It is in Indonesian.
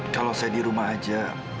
kalau saya di rumah aja